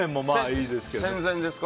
戦前ですか？